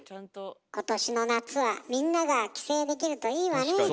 今年の夏はみんなが帰省できるといいわね。